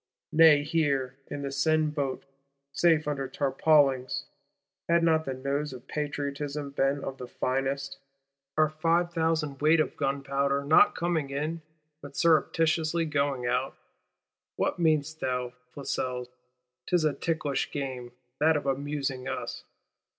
Nay here, in this Seine Boat, safe under tarpaulings (had not the nose of Patriotism been of the finest), are "five thousand weight of gunpowder;" not coming in, but surreptitiously going out! What meanest thou, Flesselles? 'Tis a ticklish game, that of "amusing" us.